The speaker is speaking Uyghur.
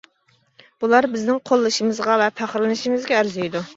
بۇلار بىزنىڭ قوللىشىمىزغا ۋە پەخىرلىنىشىمىزگە ئەرزىيدۇ.